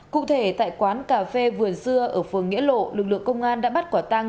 cụ thể tại quán cà phê vườn dưa ở phường nghĩa lộ lực lượng công an đã bắt quả tăng